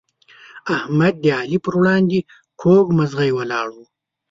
احمد د علي پر وړاندې کوږ مغزی ولاړ وو.